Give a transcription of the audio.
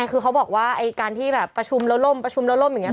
คือเขาบอกว่าการที่แบบประชุมแล้วล่มประชุมแล้วล่มอย่างนี้